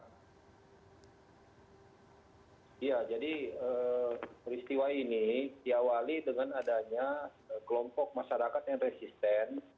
ya jadi peristiwa ini diawali dengan adanya kelompok masyarakat yang resisten